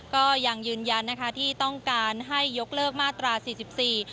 ก็ยังยืนยันนะคะที่ต้องการให้ยกเลิกมาตราสี่สิบสี่